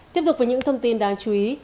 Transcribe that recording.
tiếp tục với những thông tin đáng chú ý